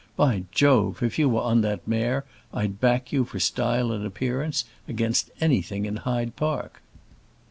By Jove! if you were on that mare, I'd back you, for style and appearance, against anything in Hyde Park."